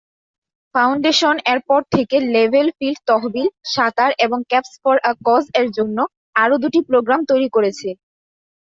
Foundation এরপর থেকে level field তহবিল-সাঁতার এবং ক্যাপস-ফর-আ -কজ-এর জন্য আরও দুটি প্রোগ্রাম তৈরি করেছে।